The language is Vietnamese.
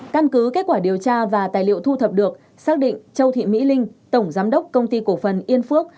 căn cứ kết quả điều tra và tài liệu thu thập được xác định châu thị mỹ linh tổng giám đốc công ty cổ phần yên phước